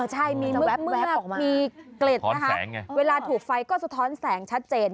เออใช่มีเมือกออกมามีเกล็ดนะฮะเวลาถูกไฟก็สะท้อนแสงชัดเจน